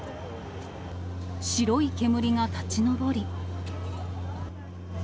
白い煙が立ち上り。